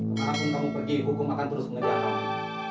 apapun kamu pergi hukum akan terus mengejar kamu